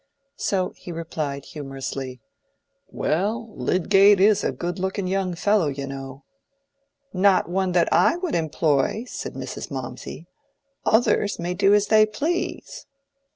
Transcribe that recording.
So he replied, humorously— "Well, Lydgate is a good looking young fellow, you know." "Not one that I would employ," said Mrs. Mawmsey. "Others may do as they please."